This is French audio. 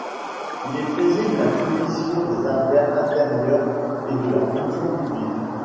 Il y préside la Commission des affaires intérieures et de la fonction publique.